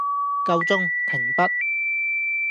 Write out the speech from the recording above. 夠鐘，停筆